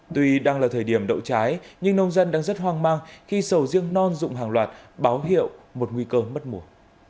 tuy đang là thời điểm đậu trái nhưng nông dân đang rất hoang mang khi sầu riêng non dụng hàng loạt báo hiệu một nguy cơ mất mùa